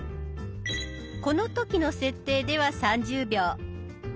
この時の設定では３０秒。